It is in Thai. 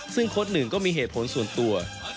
ซึ่งโค้ดหนึ่งก็มีเหตุผลส่วนตัว